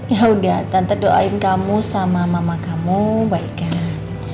yaudah tante doain kamu sama mama kamu baik kan